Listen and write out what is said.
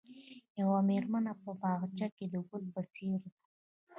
یوه مېرمنه په باغچه کې د ګل په څېر ده.